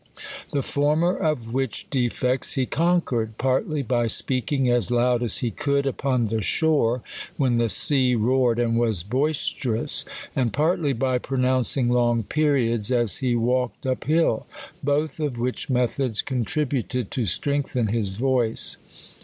The former of which defects he conquered, partly by speaking as loud as he could upon the shorej when the sea roared and was boister ous ; and partly by pronouncing long periO'.is ris he walked up hill ; both of which methods contributed to strengthen his voice.